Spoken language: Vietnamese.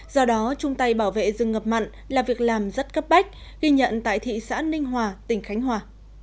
do đó chung tay bảo vệ rừng ngập mặn là việc làm rất cấp bách ghi nhận tại thị xã ninh hòa tỉnh khánh hòa